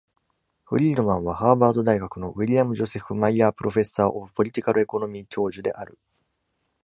フリードマンは、ハーバード大学の William Joseph Maier Professor of Political Economy 教授である。